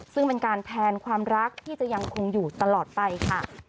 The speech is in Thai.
ซึ่งเป็นการแทนความรักที่จะยังคงอยู่ตลอดไปค่ะ